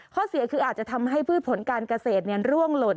ข้อเสียคืออาจจะทำให้พืชผลการเกษตรร่วงหล่น